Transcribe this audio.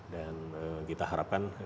dan kita harapkan